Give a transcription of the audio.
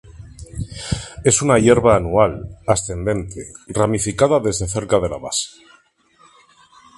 Es una hierba anual, ascendente, ramificada desde cerca de la base.